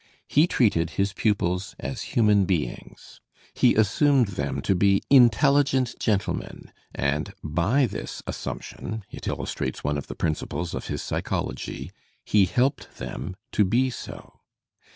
He treated his pupils as human beings. He assumed them to be intelligent gentlemen, and by this assumption — it illustrates one of the principles of his psychology — he helped them to be so.